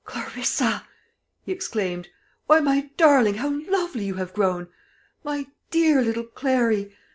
"Clarissa!" he exclaimed; "why, my darling, how lovely you have grown! My dear little Clary!